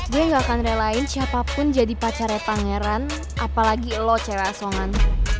dia gak akan relain siapapun jadi pacarnya pangeran apalagi lo cewek asongan